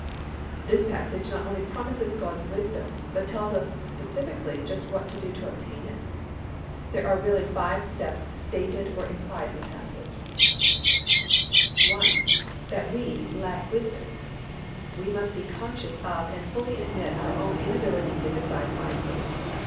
This passage not only promises God's wisdom but tells us specifically just what to do to obtain it. There are really five steps stated or implied in the passage: 1. That we "lack wisdom." We must be conscious of and fully admit our own inability to decide wisely.